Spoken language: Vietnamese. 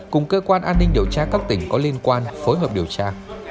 cùng cơ quan an ninh điều tra các tỉnh có liên quan phối hợp điều tra